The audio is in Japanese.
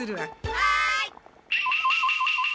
はい！